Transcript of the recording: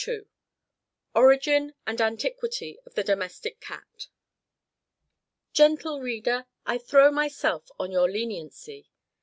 ORIGIN AND ANTIQUITY OF THE DOMESTIC CAT. Gentle Reader, I throw myself on your leniency.